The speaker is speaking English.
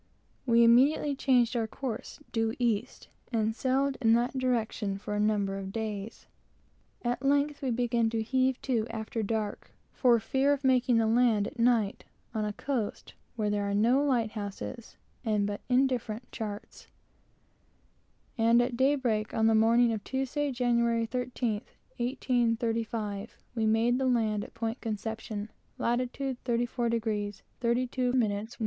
We immediately changed our course due east, and sailed in that direction for a number of days. At length we began to heave to after dark, for fear of making the land at night on a coast where there are no light houses and but indifferent charts, and at daybreak on the morning of Tuesday, Jan 13th, 1835, we made the land at Point Conception, lat 34º 32' N.